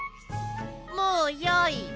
もうよい。